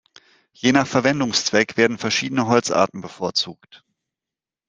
Je nach Verwendungszweck werden verschiedene Holzarten bevorzugt.